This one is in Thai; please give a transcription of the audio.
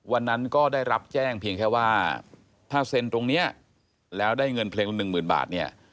วันนั้นก็ได้รับแจ้งเพียงแค่ว่าถ้าเซ็นตรงนี้แล้วได้เงินเพลงละหนึ่งหมื่นบาทเนี่ย